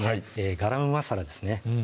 ガラムマサラですね